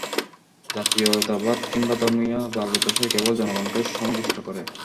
জাতীয়তাবাদ কিংবা ধর্মীয় ভাবাদর্শই কেবল জনগণকে সমাবিষ্ট করে।